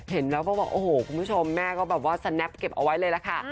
เห็นแล้วก็บอกโอ้โหคุณผู้ชมแม่ก็แบบว่าสแนปเก็บเอาไว้เลยล่ะค่ะ